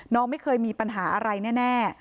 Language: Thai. น้องไม่เคยมีปัญหาอะไรแน่